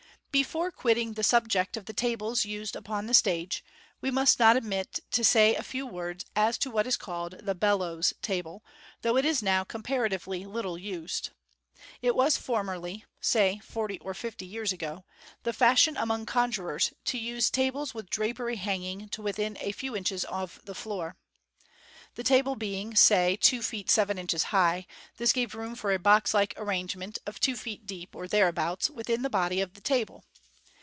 Before quitting the subject of the tables used upon the stage, we must not omit to say a few words as to what is called the u bellows" table, though it is now comparatively little used. It was formerly (say forty or fifty years ago) the fashion among conjurors to use tables with drapery hanging to within a few inches of the floor. The table being, say, two feet seven inches high, this gave room for a box like arrangement, of two feet deep, or thereabouts, within the body of the table.